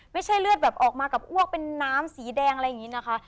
ไม่ใช่เลือดแบบออกมากับอ้วกเป็นน้ำสีแดงอะไรอย่างนี้นะคะ